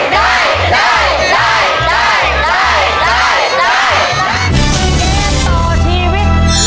ได้